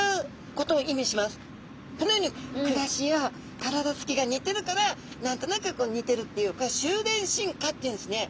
このように暮らしや体つきが似てるから何となく似てるっていう収斂進化っていうんですね。